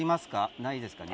ないですかね？